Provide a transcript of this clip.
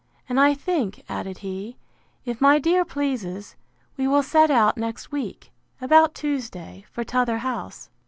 And I think, added he, if my dear pleases, we will set out next week, about Tuesday, for t'other house.